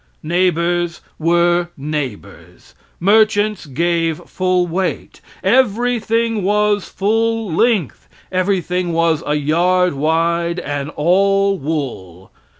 Neighbors were neighbors. Merchants gave full weight. Everything was full length; everything was a yard wide and all wool.